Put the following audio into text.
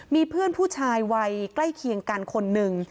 มีเพื่อนผู้ชายวัยใกล้เคียงกันคนหนึ่ง